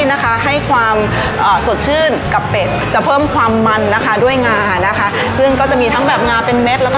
อร่อยค่ะคุณผู้ชมอยากให้ลองจริงนะครับ